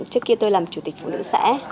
trước kia tôi làm chủ tịch phụ nữ xã